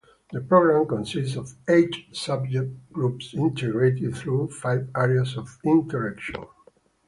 The program consists of eight subject groups integrated through five areas of interaction.